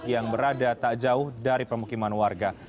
yang berada tak jauh dari pemukiman warga